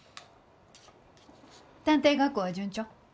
探偵学校は順調？